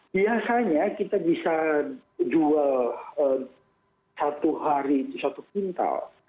biasanya kita bisa jual satu hari satu kuintal